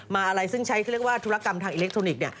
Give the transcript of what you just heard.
อะไรซึ่งใช้เขาเรียกว่าธุรกรรมทางอิเล็กทรอนิกส์